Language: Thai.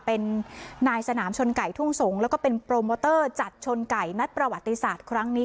เป็นนายสนามชนไก่ทุ่งสงศ์แล้วก็เป็นโปรโมเตอร์จัดชนไก่นัดประวัติศาสตร์ครั้งนี้